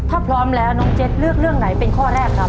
ถ้าพร้อมแล้วน้องเจ็ดเลือกเรื่องไหนเป็นข้อแรกครับ